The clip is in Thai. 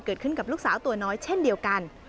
เกิดขึ้นกับลูกสาวตัวน้อยเช่นเดียวกัน